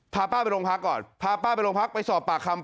พาป้าไปโรงพักก่อนพาป้าไปโรงพักไปสอบปากคำ